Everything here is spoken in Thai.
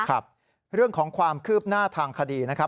ครับเรื่องของความคืบหน้าทางคดีนะครับ